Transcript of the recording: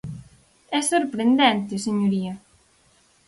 É sorprendente, señoría.